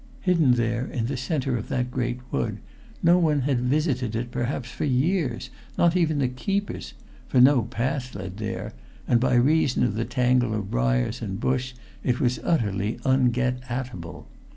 Hidden there in the center of that great wood, no one had visited it perhaps for years, not even the keepers, for no path led there, and by reason of the tangle of briars and bush it was utterly ungetatable.